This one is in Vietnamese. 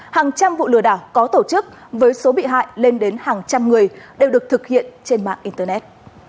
hàng trăm vụ lừa đảo có tổ chức với số bị hại lên đến hàng trăm người đều được thực hiện trên mạng internet